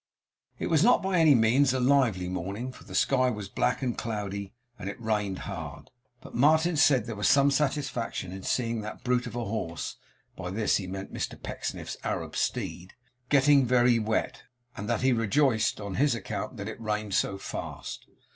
It was not by any means a lively morning, for the sky was black and cloudy, and it rained hard; but Martin said there was some satisfaction in seeing that brute of a horse (by this, he meant Mr Pecksniff's Arab steed) getting very wet; and that he rejoiced, on his account, that it rained so fast.